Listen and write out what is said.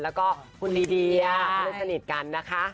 แล้วก็คุณดีกัน